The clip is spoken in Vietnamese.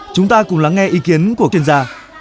chúng ta cùng lắng nghe ý kiến của chuyên gia